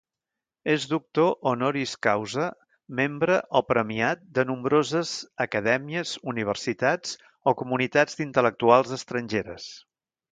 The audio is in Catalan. És doctor Honoris causa, membre o premiat de nombroses acadèmies, universitats o comunitats d'intel·lectuals estrangeres.